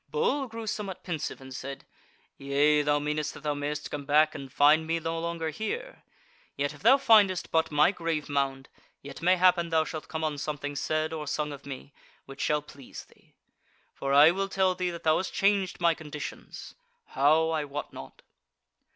Bull grew somewhat pensive and said: "Yea, thou meanest that thou mayest come back and find me no longer here. Yet if thou findest but my grave mound, yet mayhappen thou shalt come on something said or sung of me, which shall please thee. For I will tell thee, that thou hast changed my conditions; how, I wot not."